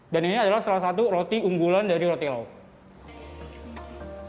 dan ini adalah salah satu roti unggulan dari roti lauk